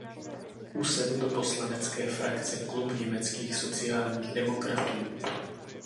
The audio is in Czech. Usedl do poslanecké frakce Klub německých sociálních demokratů.